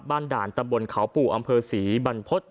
ด่านตำบลเขาปู่อำเภอศรีบรรพฤษ